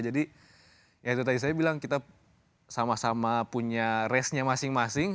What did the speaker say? jadi ya itu tadi saya bilang kita sama sama punya race nya masing masing